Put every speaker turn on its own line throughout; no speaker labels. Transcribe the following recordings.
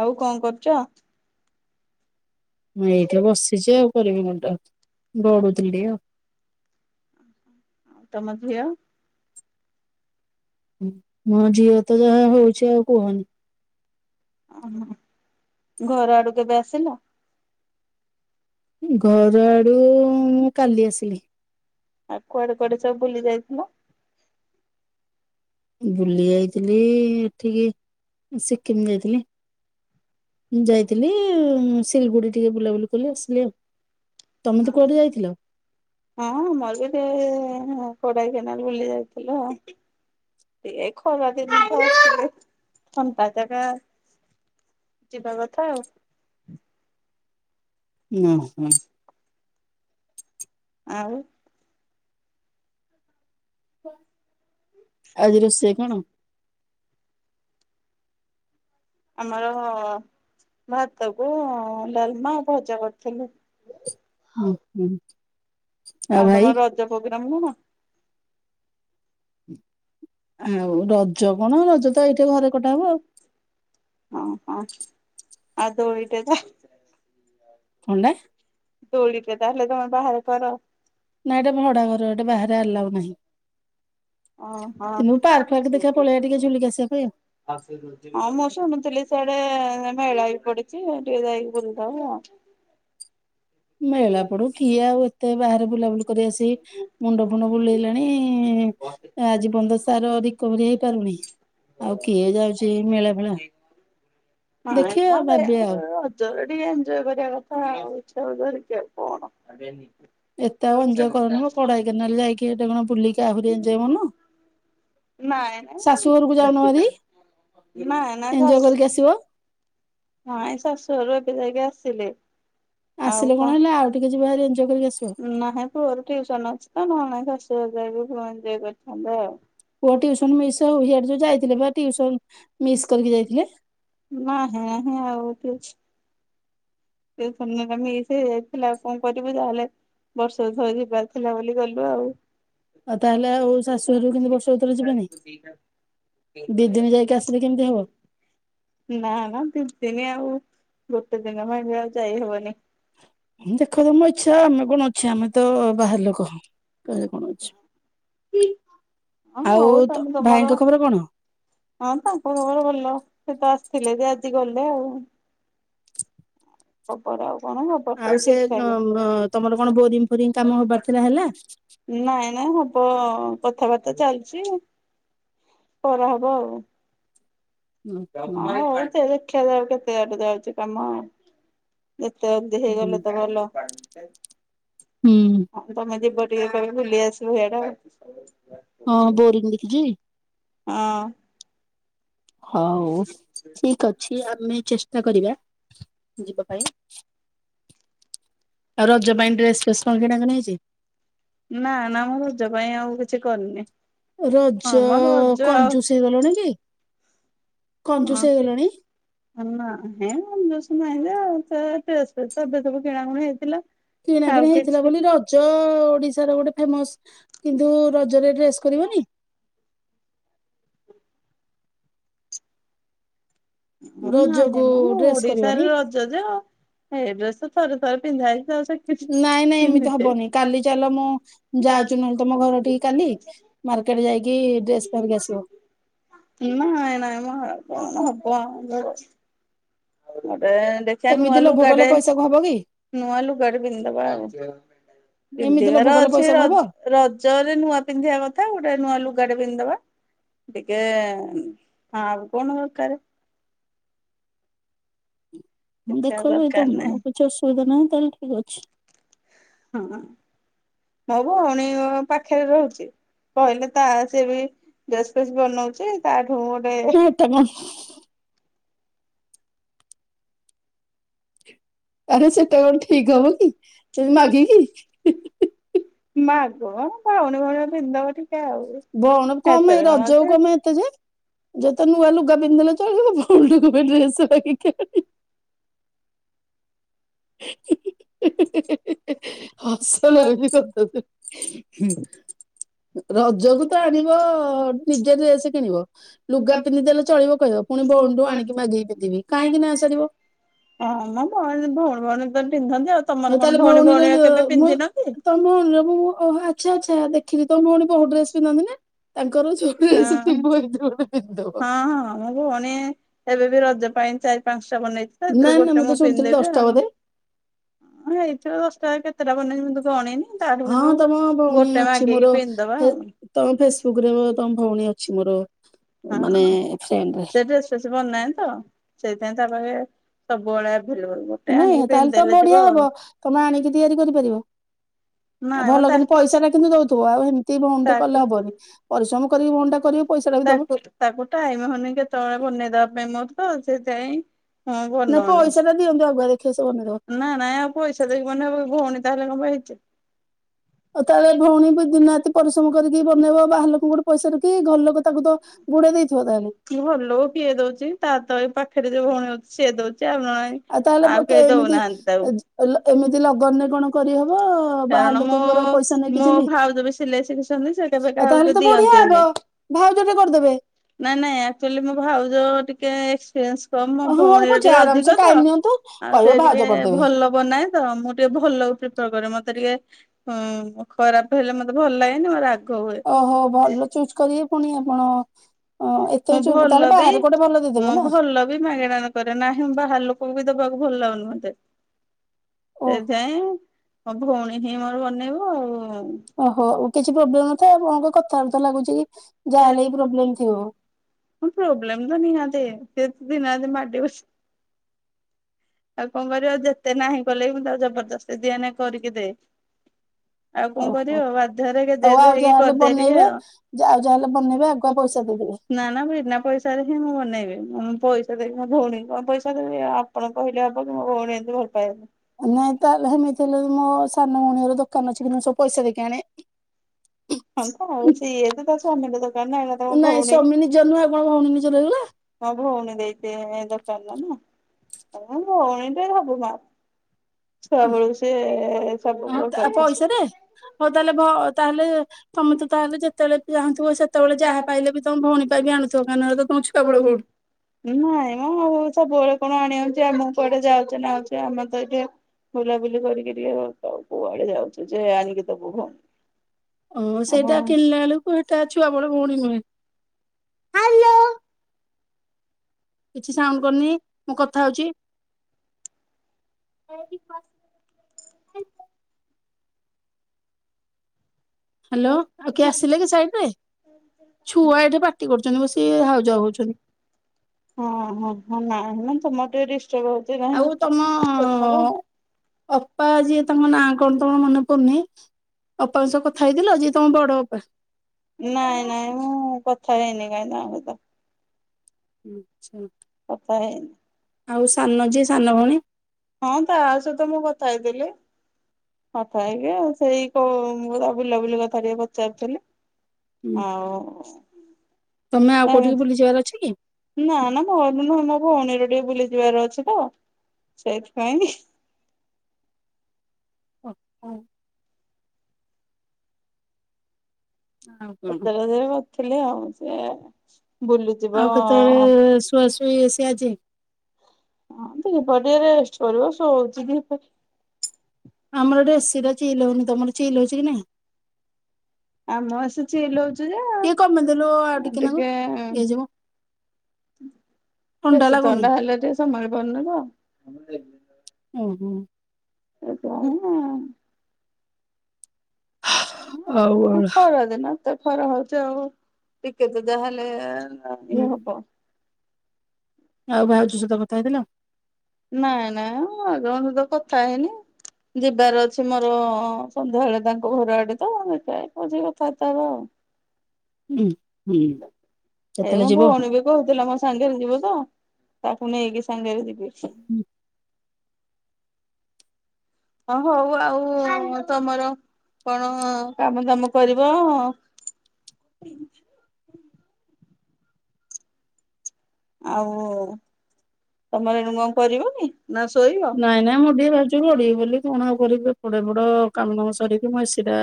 ଆଉ କଣ କରୁଛ।
ମୁଁ ଏଇଟ ବସିଛି ଆଉ। ପରେରେ ବି ମୁଣ୍ଡା ଗଡୁ ତିଲିତିକେ ।
ସମଝଇଆ।
ହୁଁ ମଁ ଝିଅ ତ ଯାହା ହଉଛି ଆଉ କୁହନି।
ଓ ହଁ ଘର ଆଡୁ କେବେ ଆସିଲ?
ଘର ଆଡୁ ମୁଁ କାଲି ଆସିଲି।
ଆଉ କୁଆଡେ କୁଆଡେ ସବୁ ବୁଲି ଯାଇଥିଲ?
ବୁଲି ଯାଇଥିଲି ଏଠିକି ସିକିମି ଯାଇଥିଲି। ଯାଇଥିଲି ସିଲିଗୁଡି ଟିକେ ବୁଲାବୁଲି କଲି ଆସିଲି ଆଉ। ତମେ ତ କୁଆଡେ ଯାଇଥିଲ।
ହଁ [inaudible] ବି ଟିକେ କଡାଇ କେନାଲ ବୁଲି ଯାଇଥିଲ ଟିକେ ଖରା ଦିନ ତ ଆ ଥଣ୍ଟା ଜାଗା ଯିବା କଥା ଆଉ
ହୁଁ ହୁଁ। [inaudible]
ଆଉ
[inaudible] ଆଜି ରୋଷେଇ କଣ?
ଆମର ଭାତ କୁ ଡାଲମା ଭଜା କରିଥିଲୁ।
ଓ ହୋ।
ଆଉ ତମର ରଜ ପ୍ରୋଗ୍ରାମ ନୁହ
ହୁଁ। ଆଉ ରଜ କଣ ରଜ ତ ଏଇଠି ଘରେ କଟା ହବ ଆଉ
ଓହୋ ଆଉ ତୋ [inaudible]
କଣ ଟା
ଦୋଳି ଟେ ତାହେଲେ ତମର ବାହାରେ କର।
ନା ଏଟା ଭଡା ଘର ଏଟେ ବାହାରେ ଆଲାଉ ନାହିଁ। କିନ୍ତୁ ପାର୍କ ଫାର୍କ ଦେଖିଆ ପଳେଇବା ଟିକେ ଝୁଲିକି ଆସିବା ପାଇଁ।
ଓହୋଁ ମୁଁ ଶୁଣୁଥିଲି ସେଆଡେ ମେଳା ବି ପଡୁଛି ଟିକେ ଯାଇକି ହଁ ମ ରଜରେ
[inaudible]
ଟିକେ ଇଞ୍ଜୟ କରିବା କଥା [inaudible]
ଏତେ ଆଉ ଏଞ୍ଜୟ କରନି ମ କଡାଇକାନାଲ ଯାଇକି ହେଟି
ନାଇଁ
କଣ ବୁଲିକି ଆହୁରି ଏଞ୍ଜୟ କରୁନ
ନାଇଁ
ଶାଶୁ ଘରକୁ ଯାଉନ ଭାରି
ନାଇଁ
ଏଞ୍ଜୟ କରିକି ଆସିବ
ଶାଶୁଘର [inaudible] ଆସିଲେ
ଆସିଲେ
ଆଉ
କଣ ହେଲା ଆଉ ଟିକେ ଯିବ ଭାରି ଏଞ୍ଜୟ କରିକି ଆସିବ
ନାହିଁ ପୁଅର ଟିଉସନ ଅଛି ତ [inaudible] [inaudible]
ପୁଅ ଟିଉସନ ମିସ୍ ହଉ ହିଆଡେ ଯୋଉ ଯାଇଥିଲେ ବା ଟିଉସନ ମିସ୍ କରିକି ଯାଇଥିଲେ
ନାହିଁ ନାହିଁ [inaudible] [inaudible] ସେ ଯାଇଥିଲା ଆଉ କଣ କରିବୁ ଯାହେଲେ ବର୍ଷ ବର୍ଷ ଯିବାର ଥିଲା ବୋଲି ଗଲୁ ଆଉ।
ଆଉ ତାହେଲେ ଆଉ ଶାଶୁ ଘର କିନ୍ତୁ ବର୍ଷ ଭିତରେ ଯିବେନି ଦି ଦିନ ଯାଇକି ଆସିଲେ କେମିତି ହବ। [inaudible]
ନା ନା ଦି ଦିନି ଆଉ ଗୋଟେ ଦିନ ମହଙ୍ଗଉ ଯାଇ ହବନି।
ଦେଖୁନୁ ତମ ଇଚଛା ଆମେ କଣ ଅଛେ ଆମେ ତ ବାହାର ଲୋକ କହେ କଣ ଅ
[inaudible] ହଁ
ଆଉ
ହଉ
ତ
ତମେ ତମର
ଭାଇଙ୍କ ଖବର
ହଁ
କଣ?
ତାଙ୍କ ଖବର ଭଲ ସେ ତ ଆସିଥିଲେ ଯେ ଆଜି ଗଲେ ଆଉ। [inaudible] [unintelligible] ଆଉ କଣ ଖବର
ଆଉ
ସବୁ
ସେ
ଠିକ ଠାକ।
ତମର କଣ ବୋରିଙ୍ଗି ଫୋରିଙ୍ଗି କାମ ହବାର ଥିଲା ହେଲା?
ହଁ କଥାବାର୍ତ୍ତା ଚାଲିଚି [inaudible] କର ହବ ଆଉ।
ହୁଁ
ହଁ ହୋଉ [unintelligible] କେତେ [unintelligible] କାମ। [inaudible] ଯେତେ ଅଲଦି ହେଇଗଲେ ତ ଭଲ ଆଉ [inaudible] ତମେ ଯିବ [unintelligible] ଭୁଲି ଆସିବୁ ଇଆଡେ
ହଁ [unintelligible]
ହଁ।
ହଉ ଠିକ ଅଛି, ଆମେ ଚେଷ୍ଟା କରିବା ଯିବା ପାଇଁ। [inaudible] ଆଉ ରଜ ପାଇଁ ଡ୍ରେସ ଫେସ କଣ କିଣା କିିଣା ହେଇଚି?
ନା ନା ମ ରଜ ପାଇଁ ଆଉ କିଛି କରିନି। ହଁ
ରଜ
ମ
କଞଜୁସ ହେଇଗଲନିକି?
[unintelligible] ତେର ତ ଏବେ ସବୁ କିଣାକୁଣା ହେଇଥିଲା। ଆଉ
କିଣାକିଣି
କିଛି
ହେଇଥିଲା
ନାହିଁ
ବୋଲି ରଜ ଓଡିଶାର ଗୋଟେ ଫେମସ କିନ୍ତୁ ରଜରେ ଡ୍ରେସ୍ କରିବନି?
ନହିଁ
ରଜକୁ
ମୁଁ
ଡ୍ରେସ କରିବନି
ଓଡିଶାରେ ରଜ ଯେ ସେଇ ଡ୍ରେସ ଥରେ ଥରେ ପିନ୍ଧାଉ [inaudible]
ନାଇଁ ନାଇଁ ଏମିତି ହବନି କାଲି ଚାଲ ମୁଁ ଯାଉଛୁ ନହେଲେ ତମ ଘର ଠିକି କାଲି ମାର୍କେଟ ଯାଇକି ଡ୍ରେସ ଧରିକି ଆସିବ
ନାଇଁ ନାଇଁ ହେରା ହଁ। [inaudible] ଦେଖିବା ନୂଆ
ଏମିତି ଲୋଭ କଲେ
ଲୁଗାଟେ
ପଇସାକୁ ହବ କି?
ନୂଆ ଲୁଗାଟେ ପିନ୍ଧବା
ଏମିତି
ପିନ୍ଧିବାର
ଲୋଭ କଲେ
ଅଛି
ପଇସାକୁ ହବ?
ରଜରେ ନୂଆ ପିନ୍ଧିବା କଥା ଗୋଟେ ନୂଆ ଲୁ ଗାଡ ପିନ୍ଧବା ଟିକେ ହଁ ଆଉ କଣ ଦରକାର କିଛି ଆଉ
[inaudible] ଏଇତ
ଦରକାର
ମନ
ନାହିଁ
କିଛି ଅସୁବିଧା ନାହିଁ। ତାହଲେ ଠିକ ଅଛି। [inaudible]
ହଁ ହବୁ ଆଉଣି ପା ଖେ ରହୁଚି କହିଲେ ତା ସି ବି ଡ୍ରେସ ଫେସ୍ ବନଉଚି ତାଠୁ ଗୋଟେ
ନା ଏଟା କଣ ଆରେ ସେଟା କଣ ଠିକ ହବ କି ସେ ମାଗ କି
କଁ ଭଉଣ ଭଉଣିନ୍ଦବା।
ବଉଣ କମ ରଜକୁ କମା ଏତେ ଯେ ଯତେ ନୁଆ ଲୁଗ ପିନ୍ଧିଲ ଚ ବଉଣୁ ଡ୍ରେସକ [unintelligible] ହସନରେ ସବ ହୁଁ। ରଜକୁ ତ ଆଣିବ ନିଜେ ଡେସ କିଣିବ ଲୁଗା ପିନ୍ଧିଦେଲେ ଚଳିବ କହିବ ପୁଣି ବଉଣୁ ଆଣିକି ମାଗିକି ପିନ୍ଧିବି କାହିଁକି ନା ସାରିବ।
େ ତ ପିନ୍ଧନ୍ତି। ଆଉ ତମର
ହଉ
କଣ
ତାହେଲେ
ଭଉଣୀ
ଭଉଣୀର
ଭଉଣୀ କେବେ
ମୁଁ
ପିନ୍ଧିନ କି?
ତମ ଭଉଣୀର ମୁ ଆଚ୍ଛା ଆଚ୍ଛା ଦେଖିଲି ତମ ଭଉଣୀ ସ ଡ୍ରେସ ପିନ୍ଧନ୍ତି ନା ତାଙ୍କର ସଉ ଡ୍ରେସ ଥିବ ଏ
ହଁ।
ଗୋଟେ ପିନ୍ଧ
ହଁ ପ ଚାରି ପାଞ୍ଚ ବେଇଛି ତାରୁ ଗୋଟେ ମୁଁ
ଶୁଣିଥିଲି
ପିନ୍ଧେବି
ଦଶଟା
ଆଉ।
ବୋଧେ
ଦଶ ଟା କେତଟା ବନେ ଯେମି
ହଁ ତମ ଭଉଣୀ ଅଛି
ମାଗିକି
ମୋର
ପିନ୍ଧିଦବା ଆଉ।
ତମ ଫେସବୁକ ରେ ମୋ ତମ ଭଉଣୀ ଅଛି ମୋର
ହଁ
ମାନେ ଫ୍ରେଣ୍ଡରେ।
ସେଟ ସେ ବନ ନାହିଁ ତ ସେ ସେନ୍ତା ଭ
ନାଇଁ ତାହେଲେ ତ
ଯିବ
ବଢିଆ
ଆଉ
ହବ ତମେ ଆଣିକି ତିଆରି କରିପାରିବ! ଆ
ନାଇଁ ମ
ଭଲ
ତା
କିନ୍ତୁ ପଇସା ଟା କିନ୍ତୁ ଦଉଥିବ ଆଉ ଏମିତି ଭଉଣ ଟେ କଲେ
ତାକୁ
ହବନି ପରିଶ୍ରମ କରିକି ଭଉଣ ଟା କରିବ? ପଇସା ଟା ବି ଦବ
ତାକୁ ତାକୁ ଟାଇମ ହଉନି କେତେବେଳେ ବନେଇଦବା ପାଇଁ ମୋ ହଁ ସେଥିାଇଁ ହଁ
ନାଇଁ
ବନଉନି
ପଇସା ଟା ଦିଅନ୍ତୁ ଆଗୁଆ ଦେଖିବେ ସେ ବନେଇଦବ
ନା ନାଇଁ ଆଉ ପଇସା ଦେଇକି ମନେବ ଭଉଣୀ ତାହେଲେ କଣ ହେଇ [unintelligible]
ଆଉ ତାହେଲେ ଭଉଣୀ ବି ଦିନ ରାତି ପଶ୍ରମ କରିକି ବନେଇବ ବାହାର ଲୋକଙ୍କୁ ଗୋଟେ ପଇସା ରିକି ଘରଲୋକ?
ଭଲ ପିଆଇ ଦଉଛି ତା ତହ ପାଖ ସେଠରେ ଯୋଉୀ ଅ ସିଏ ଦଉଛି। ଆଉ ନହେଲେ
ଆଉ ତାହେଲେେ
କେହି
ଏମିତି
ଦଉନାହାନ୍ତି ତାକୁ।
ଏମିତି ଲଗନରେ କଣ କରିହବ। ବାହାର
କାରଣ ମଁ
ଲୋକଙ୍କର ପଇସା ନେଇକି
ମୋ
ଯେମିତି
ଭାଉଜବେ ସିଲେଇ ଶିଖିଛନ୍ତି ସେ କେବେ
ଆଉ ତାହେଲେ
କାହାକୁ
ତ ବଢିଆ ହବ
ଦିଅନ୍ତିନି
ଭାଉଜଟେ କରିଦେବେ
ନାଇଁ ନାଇଁ ଆଚୁଲି ମୋ ଭାଉଜଉ ଟିକେ କେ ଏକ୍ସପିରିନ୍ସ ହ ମୋ
ହଁ ହଉ
ଭଉଣୀରେ
ପଛେ
ଟିକେ
ଆରାମସେ
ଅଧିକ ତ
ଟାଇମ ନିଅନ୍ତୁ
ଆଉ
କହିବ
ସେ
ଭାଉଜ
ଟିକେ
କରିଦେବେ
ଭଲ ବନାଏ ତ ମୁଁ ଟିକେ ଭଲ ପ୍ରିଫର କରେ ମତେ। ତାର ଟିକେ ହୁଁ ଖରାପ ହେଲେ ମତେ ଭଲ ଲାଗେ [unintelligible] [unintelligible] ହୁଏ
ଓହୋ ଭଲ ଚୁଜ୍ କରିବେ ପୁଣି ଆପଣ ଏତେ
ମୁଁ
ଚୁ ତାହେଲେ
ଭଲ ବି
ବାହାରେ ଗୋଟେ ଭଲ ଦେଇଦେବେ
ମୁଁ
ନା
ଭଲ ବି ମାଗେଣାରେ କରେ ନାହିଁ ବାହାର ଲୋକ [unintelligible] ଦେବାକୁ ଭଲ ଲାଗୁନି ମତେ। ଏ
ଓହୋ।
ଯାଏଁ ଭଉଣୀ ହିଁ ମୋର ବନେଇବ ଆଉ
ଓହୋ ଉ କିଛି ପ୍ରୋବ୍ଲେମ ନଥାଏ ଆପଣଙ୍କୁ କଥାବାର୍ତ୍ତା ଲାଗୁଛି କି ଯାହା ହେଲେ ବି ପ୍ରୋବ୍ଲେମ ଥିବ।
ପ୍ରୋବ୍ଲେମ ତ ନିହାତି ସେ ଦିନାତି ମାଡିିବସି ଆଉ କଣ କରିବ ଯେତେ ନାହିଁ କଲେ ବି ମୁଁ ତାକୁ ଜବରଦସ୍ତି ଦିଏ ନେ କରିକି ଦେ। ଆଉ କଣ
ଓହୋ
କରିବ ବାଧ୍ୟରେ ଗେଜେ
ହଉ
ଜେଜେ
ଆଉ
ହେଇକି
ଯାହାହେଲେ
କର
ବନେଇବେ ଆଉ ଯାହାହେଲେ ବନେଇବେ ଆଗୁଆ ପଇସା ଦେଇ ଦେବି।
ତା ପଇସାରେ ହିଁ ମୁଁ ବନେଇବି ମୁଁ ପଇସା ଦେବି ମୋ ଭଉଣୀ କୁ କଣ ପଇସା ଦେବି ଆପଣ କହିଲେ ହବ କି ମୋ ଭଉଣୀ ଏମିତି ଭଲ ପାଇବନି।
ନାଇଁ ତାହେଲେ ହେମିତି ହେଲେ ବି ମୋ ସାନ ଭଉଣୀ ର ଦୋକ୍ କାନ ଅଛି ମୁଁ ସବୁ ପଇସା ଦେଇକି ଆଣେ।
ଆଉ ତ ହଉ ସିଏ ତ ତା ସ୍ୱାମୀ ର ଦୋକନ ରୁ ଆଣିଲା ତମ
ନାଇଁ
ଭଉଣୀ
ସ୍ୱାମୀ ନିଜର ନୁହେଁ ଆଉ କଣ ଭଉଣୀ ନିଜର ହେଇଗଲା
ତା ଭଉଣୀ ଦେଇଥିବେ ଦୋକାନରେ ନା ତମ ଭଉଣୀ ପାଇଁ ସବୁ ମାଫ। ସବୁ
ହଁ [unintelligible] ପଇସା
କରିଛି।
ରେ ହଉ ତାହେଲେ ଭ ତାହେଲେ ତମେ ତ ତାହେଲେ ଯେତେବେଳେ ଚାହୁଁଥିବ ସେତେବେଳେ ଯାହା ପାଇଲେ ବି ତମେ ଭଉଣୀ ପାଇଁ ବି ଆଣୁଥିବ କାହିଁନା ତ ତମ ଛୁଆବେଳ ଭଉଣୀ।
ହଁ ଯେ ମୁଁ କୁଆଡେ ଯାଉଛି ନାଁ ଆଉଛି ଆମେ ତ ଏଇଠି ବୁଲାବୁଲି କରିକି ଟିକେ ଆ କୁଆଡେ ଯାଉଛୁ ଯେ ଆଣିକି ଦବ ଭଉଣୀ?
ଓ
ହଁ
ସେଇଟା କିଣିଲା ବେଳକୁ ହେ଼ଇଟା ଛୁଆ ମୋର ଭଉଣୀ ନୁହେଁ। ହାଲୋ କିଛି ସାଉଣ୍ଡ କରିନି ମୁଁ କଥା ହଉଚି। ହ୍ୟାଲୋ ଆଉ କିଏ ଆସିଲେ
ହଁ
କି ସାଇଡ ରେ
ହଁ
ଛୁଆ ଏଠି ପାଟି କରୁଛନ୍ତି
ହଁ
ବସି ହାଉ ଯାଉ ହଉଛନ୍ତି।
ନା ନାଇଁ। ସମେ
ଆଉ ତମ ଅପା ଯିଏ ତାଙ୍କ ନାଁ କଣ? ଙ୍କ ମନେ ପଡୁନାହିଁ। ଅପା?
ନାଇଁ ନାଇଁ ମୁଁ କଥ ଖରେନି କାଇଁ ନା ତ
ଆଛା। ଆଉ ସାନ ଯେ ସାନ ଭଉଣୀ
ହଁ ତା ସହିତ ମୁଁ କଥାେଇଥିଲି କଥା ହେଇକି ଆଉ ସେଇ କ ମୁ ତା ବୁଲାବୁଲି କଥା ଟିକେ ପଚାରଥିଲି। ଆ
ତମେ ଆଉ କୋଉଠିକି ବୁଲିଯିବାର ଅଛି କି?
ନା ନା ଭ ଭନ ର ବୁଲି ଯିବାର ଅଛି ତ। ସେତ
ଓ ହ ଆଉ କଣ
ପତର ହଜାର କରିଥିଲେ ଆଉ। ସେ ବୁଲିଯିବ
ଆଉ କେତେବେଳେ ଶୁଆ ସେ ଆଜି
ହଁ, ଦ୍ୱିପହରେ ରେଷ୍ଟ କରିବ ଶୋଉଛି ।
ଆମର ଟିକେ ଏସିଟା ଚିଲ୍ଲ ହଉନି। ତମର ଚିଲ୍ଳ ହଉଛି କି ନାଇଁ?
ଆ ମୁଁ ଆସୁଛି
ଟିକେ କମେଇଦେଲୁ ଆଉ
।
ନାକୁ
ଟିକେ
ହେଇଯିବ
ବେଶୀ ଥଣ୍ଡା ହେଲେ ଟିକେ ସମ୍ଭାଳି ପାରୁନି ତ ।
ହୁଁ।
ଏ
ଆଉ କଣ?
ଖରାଦିନ ତ ଖରା ହଉଛି ଆଉ ଟିକେ ତ ଯାହାହେଲେ ହ
ହୁଁ
ଏଇ ହବ।
ଆଉ ଭାଉଜ ସହିତ କଥା ହେଇଥିଲ?
ନାଇଁ ନାଇଁ ଭାଉଜଙ୍କ ସହିତ କଥା ହେଇନି ଯିବାର ଅଛି ମୋର ହଁ ସନ୍ଧ୍ୟାବେଳେ ତାଙ୍କ ଘର ଆଡେ ତ ଦେଖ କହୁଛି କଥା ବାର୍ତ୍ତା ହବା ଆଉ।
ହୁଁ। ହୁଁ
ଏଇ
କେତେବେଳେ
ମୋ
ଯିବ?
ଭଉଣୀ ବି କହୁଥିଲା ମୋ ସାଙ୍ଗରେ ଯିବ ତ ତାକୁ ନେଇକି ସାଙ୍ଗରେ ଯିବି। ହ ହଉ ଆଉ ତମର କଣ କାମ ଦାମ କରିବ ଆଉ ତମେ ରେଣୁଙ୍କୁ ଆଉ କରିବନି?
ନାଇଁ ନାଇଁ ମୁଁ ଟିକେ ଗଡିବି ବୋଲି କଣ ଆଉ କରିବ ବଡ ବଡ କାମ ଦା ମ ସରିକି ମୁଁ ଏଟା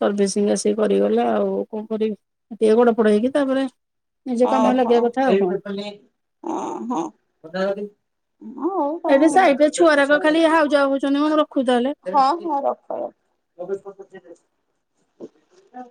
ସର୍ଭିସିଂ ଆସିକି କର ଆଉ କଣ କରିବି। ଟିକେ ଗଡପଡ଼ ହେଇକି ତାପରେ ନିଜ କାମରେ ଲାଗିବା କଥା ଆଉ
ଓହୋ,
କଣ।
ହଉ। ହ
ଏଠି
-ହଁ
ସାଇଡରେ ଛୁଆରାକ ଖାଲି
ହଁ
ହାଉଯାଉ ହଉଛନ୍ତି ମୁଁ ରଖୁଛି ତାହେଲେ।
-ରଖ ରଖ ହଁ [inaudible]